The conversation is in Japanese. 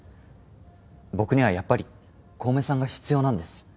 僕にはやっぱり小梅さんが必要なんです。